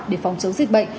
để phòng chống dịch bệnh